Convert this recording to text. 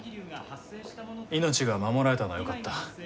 命が守られたのはよかった。